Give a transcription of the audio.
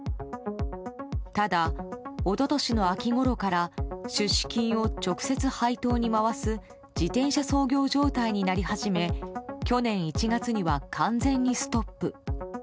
ただ、一昨年の秋ごろから出資金を直接配当に回す自転車操業状態になり始め去年１月には完全にストップ。